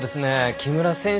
木村選手